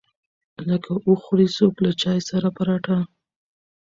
لکه وخوري څوک له چاى سره پراټه.